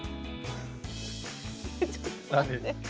ちょっと待って。